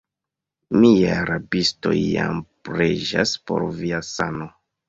Miaj rabistoj jam preĝas por via sano.